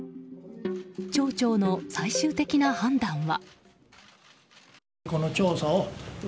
町長の最終的な判断は。